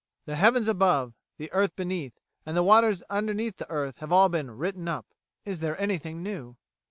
The heavens above, the earth beneath, and the waters under the earth have all been "written up." Is there anything new?